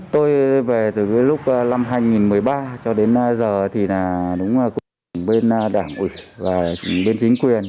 tôi về từ lúc năm hai nghìn một mươi ba cho đến giờ thì đúng là cũng bên đảng và chính quyền